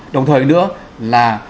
đồng thời nữa là